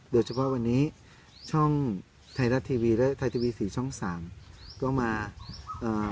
โดยเฉพาะวันนี้ช่องไทยรัฐทีวีและไทยทีวีสี่ช่องสามก็มาเอ่อ